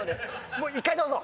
もう１回どうぞ。